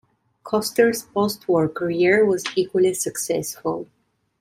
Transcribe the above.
Koster's postwar career was equally successful.